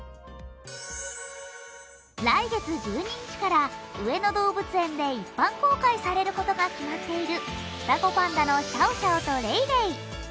来月１２日から上野動物園で一般公開されることが決まっている双子パンダのシャオシャオとレイレイ。